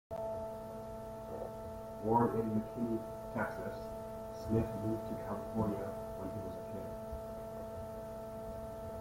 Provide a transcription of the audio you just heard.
Born in McKinney, Texas, Smith moved to California when he was a kid.